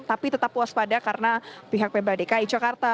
tapi tetap waspada karena pihak pemprov dki jakarta